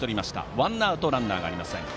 ワンアウトランナーがありません。